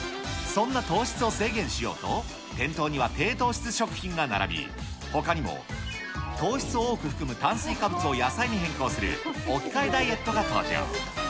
そんな糖質を制限しようと、店頭には低糖質食品が並び、ほかにも糖質を多く含む炭水化物を野菜にする、置き換えダイエットが登場。